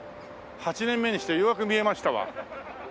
８年目にしてようやく見れましたわ。